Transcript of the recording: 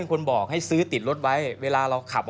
ก็จะถูกทับ